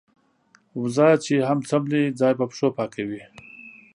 وزه چې هم څملې ځای په پښو پاکوي.